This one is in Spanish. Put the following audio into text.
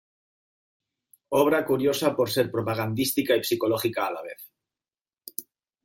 Obra curiosa por ser propagandística y psicológica a la vez.